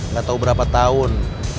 gak tau berapa tahun